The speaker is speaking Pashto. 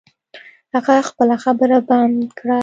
هغه خپله خبره بند کړه.